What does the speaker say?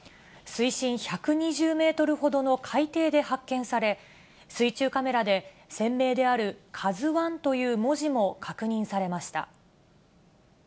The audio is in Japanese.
水深１２０メートルほどの海底で発見され、水中カメラで船名であるカズワンという文字も確認されました。